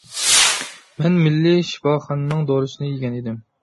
مەن مىللىي شىپاخانىنىڭ دورىسىنى يېگەن ئىدىم.